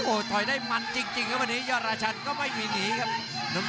โอ้โหถอยได้มันจริงครับวันนี้ยอดราชันก็ไม่มีหนีครับ